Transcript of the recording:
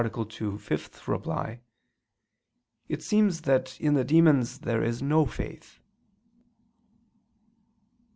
2, ad 5), it seems that in the demons there is no faith. Obj.